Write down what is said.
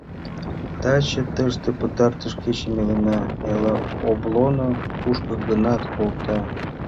Таче тыште пытартыш кечым илена: эрла облоно кушко-гынат колта.